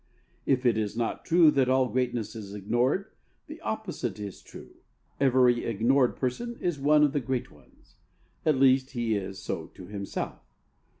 If it is not true that all greatness is ignored, the opposite is true: every ignored person is one of the great ones. At least he is so to himself.